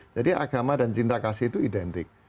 jadi agama dan cinta kasih itu identik